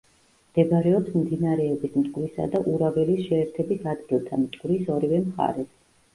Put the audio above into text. მდებარეობს მდინარეების მტკვრისა და ურაველის შეერთების ადგილთან, მტკვრის ორივე მხარეს.